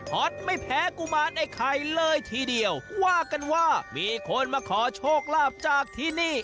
ตไม่แพ้กุมารไอ้ไข่เลยทีเดียวว่ากันว่ามีคนมาขอโชคลาภจากที่นี่